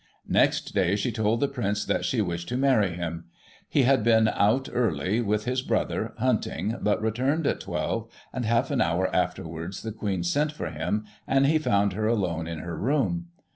Next day she told the Prince that she wished to marry him. He had been out early, with his brother, hunting, but returned at twelve, and half an hour afterwards, the Queen sent for him, and he found her alone in her room.